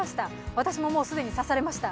私も既に刺されました。